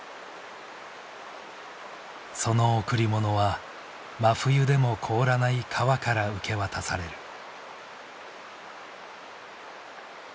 その贈り物は真冬でも凍らない川から受け渡される。